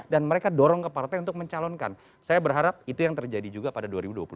dan mereka dorong ke partai untuk mencalonkan saya berharap itu yang terjadi juga pada dua ribu dua puluh empat